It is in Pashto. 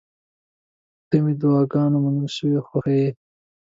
• ته مې د دعاګانو منل شوې خوښه یې.